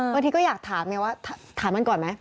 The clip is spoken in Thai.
บางทีก็อยากถามไงว่าถามมันก่อนไหม